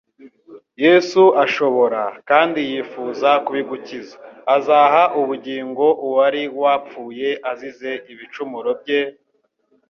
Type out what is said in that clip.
Yesu ashobora kandi-yifuza kubigukiza. Azaha ubugingo uwari wapfuye-azize ibicumuro bye;.